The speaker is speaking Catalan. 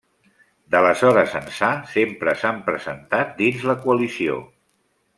D'aleshores ençà sempre s'han presentat dins la coalició.